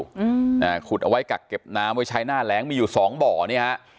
อืมอ่าขุดเอาไว้กักเก็บน้ำไว้ใช้หน้าแหลงมีอยู่สองบ่อเนี้ยฮะ